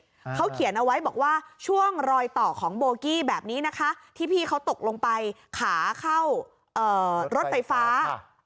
เขาเขียนเอาไว้บอกว่าช่วงรอยต่อของโบกี้แบบนี้นะคะที่พี่เขาตกลงไปขาเข้าเอ่อรถไฟฟ้า